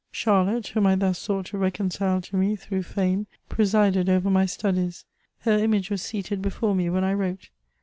Charlotte, whom I thus sought to reconcile to me through fame, presided over my studies. Her image was seated before me when I wrote.